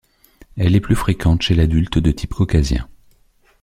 Elle est plus fréquente chez l'adulte de type caucasien.